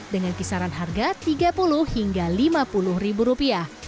dengan kisaran harga rp tiga puluh lima puluh